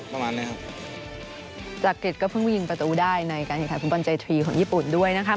ประมาณเนี้ยครับจักริตก็เพิ่งยิงประตูได้ในการแข่งขันฟุตบอลใจทรีย์ของญี่ปุ่นด้วยนะคะ